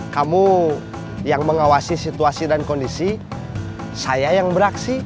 kamu yang mengawasi situasi dan kondisi saya yang beraksi